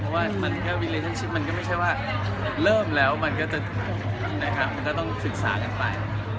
เพราะว่ามันก็มันก็ไม่ใช่ว่าเริ่มแล้วมันก็จะต้องศึกษากันไป